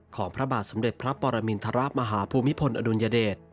พระบาทสมเด็จพระปรมินทรมาฮภูมิพลอดุลยเดช